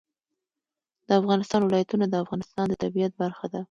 د افغانستان ولايتونه د افغانستان د طبیعت برخه ده.